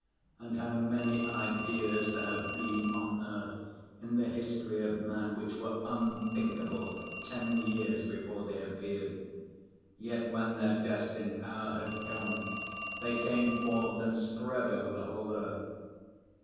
And how many ideas there have been on earth in the history of man which were unthinkable ten years before they appeared! Yet when their destined hour had come, they came forth and spread over the whole earth.